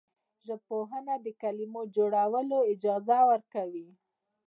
ژبپوهنه د کلمو جوړول اجازه ورکوي.